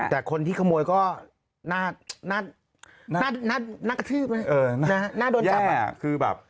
แต่คนที่ขโมยก็น่ากระทืบน่าโดนจับ